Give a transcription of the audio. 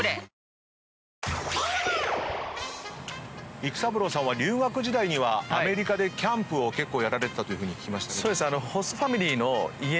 育三郎さんは留学時代にはアメリカでキャンプを結構やられてたというふうに。